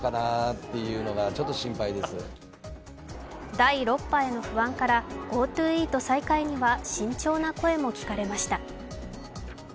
第６波への不安から、ＧｏＴｏイート再開には慎重な声も聞かれました。